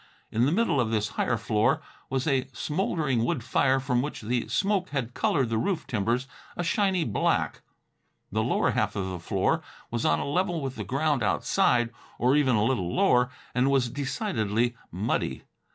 In the middle of this higher floor was a smoldering wood fire, from which the smoke had colored the roof timbers a shiny black. The lower half of the floor was on a level with the ground outside or even a little lower, and was decidedly muddy.